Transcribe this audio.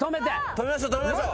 止めましょ止めましょ。